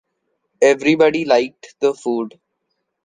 Everybody liked the food